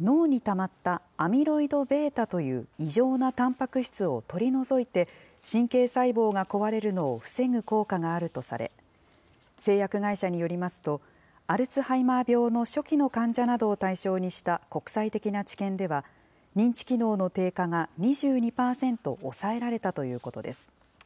脳にたまったアミロイドβという異常なたんぱく質を取り除いて、神経細胞が壊れるのを防ぐ効果があるとされ、製薬会社によりますと、アルツハイマー病の初期の患者などを対象にした国際的な治験では、認知機能の低下が２２％抑えられたということです。